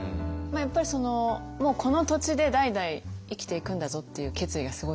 やっぱりそのもうこの土地で代々生きていくんだぞっていう決意がすごいんですよねきっと。